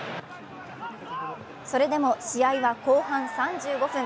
それでも試合は後半３５分。